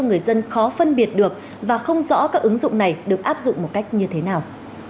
người dân khó phân biệt được và không rõ các ứng dụng này được áp dụng một cách như thế nào